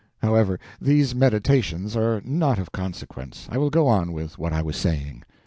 However, these meditations are not of consequence: I will go on with what I was saying.